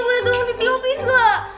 boleh tolong ditiupin gak